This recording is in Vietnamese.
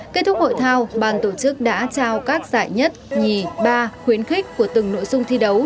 kết thúc hội thao bàn tổ chức đã trao các giải nhất nhì ba khuyến khích của từng nội dung thi đấu